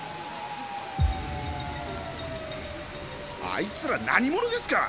あいつら何者ですか？